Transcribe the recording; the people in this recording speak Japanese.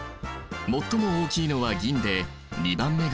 最も大きいのは銀で２番目が銅。